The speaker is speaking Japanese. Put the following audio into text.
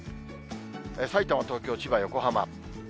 さいたま、東京、千葉、横浜。